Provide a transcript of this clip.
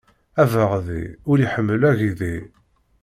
Abeɣḍi ur iḥemmel agḍi.